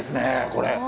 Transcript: これ。